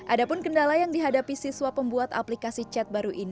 ada pun kendala yang dihadapi siswa pembuat aplikasi chat baru ini